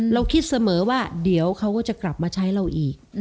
เราคิดเสมอว่าเดี๋ยวเขาก็จะกลับมาใช้เราอีก